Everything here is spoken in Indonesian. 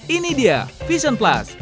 ini dia vision plus